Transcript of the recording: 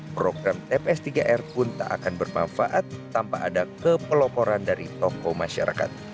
program tps tiga r pun tak akan bermanfaat tanpa ada kepeloporan dari tokoh masyarakat